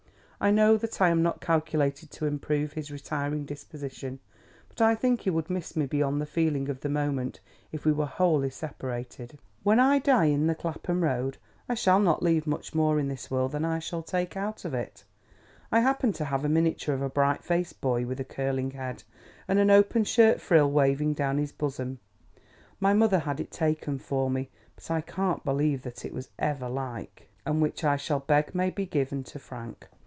I know that I am not calculated to improve his retiring disposition; but I think he would miss me beyond the feeling of the moment if we were wholly separated. When I die in the Clapham Road, I shall not leave much more in this world than I shall take out of it; but, I happen to have a miniature of a bright faced boy, with a curling head, and an open shirt frill waving down his bosom (my mother had it taken for me, but I can't believe that it was ever like), which will be worth nothing to sell, and which I shall beg may he given to Frank.